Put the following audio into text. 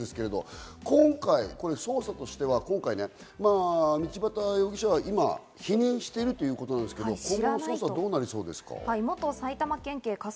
今回、捜査としては道端容疑者は今、否認しているということなんですけど、どうなりそうですか？